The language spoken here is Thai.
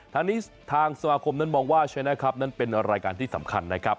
ทางนี้ทางสมาคมนั้นมองว่าใช่ไหมครับนั้นเป็นรายการที่สำคัญนะครับ